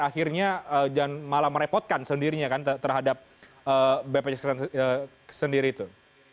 akhirnya malah merepotkan sendirinya terhadap bpjs kesehatan sendiri itu